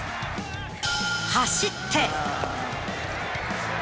走って。